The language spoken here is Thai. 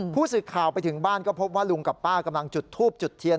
ผู้สื่อข่าวไปถึงบ้านก็พบว่าลุงกับป้ากำลังจุดทูบจุดเทียน